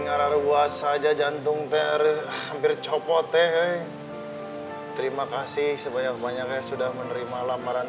karuas saja jantung terhampir copot teh terima kasih sebanyak banyaknya sudah menerima lamaran